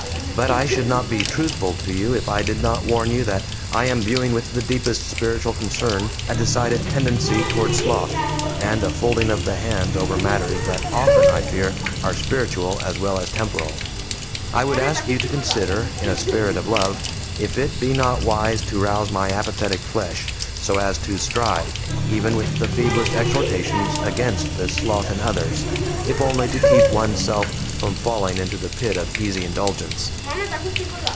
But I should not be truthful to you if I did not warn you that I am viewing with the deepest spiritual concern a decided tendency toward sloth, and a folding of the hands over matters that often, I fear, are spiritual as well as temporal. I would ask you to consider, in a spirit of love, if it be not wise to rouse my apathetic flesh, so as to strive, even with the feeblest exhortations, against this sloth in others if only to keep one's self from falling into the pit of easy indulgence."